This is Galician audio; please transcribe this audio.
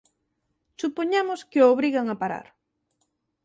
Supoñamos que o obrigan a parar.